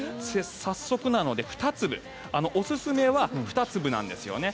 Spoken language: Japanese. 早速なので２粒おすすめは２粒なんですよね。